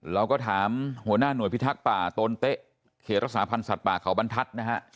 เราก็ถามหัวหน้าหน่วยพิทักษ์ป่าโตนเต๊ะเขตรักษาพันธ์สัตว์ป่าเขาบรรทัศน์นะฮะ